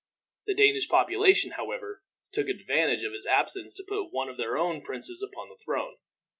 The Danish population, however, took advantage of his absence to put one of their own princes upon the throne.